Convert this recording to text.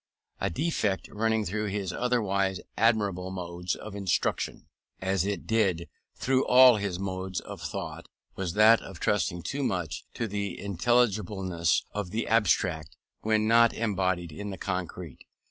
A defect running through his otherwise admirable modes of instruction, as it did through all his modes of thought, was that of trusting too much to the intelligibleness of the abstract, when not embodied in the concrete.